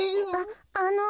ああの。